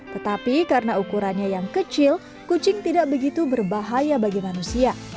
tetapi karena ukurannya yang kecil kucing tidak begitu berbahaya bagi manusia